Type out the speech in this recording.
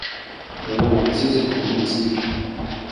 有個壞消息講你知